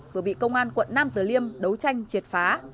vừa bị công an quận nam tử liêm đấu tranh triệt phá